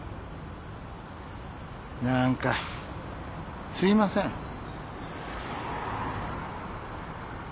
何かすいません。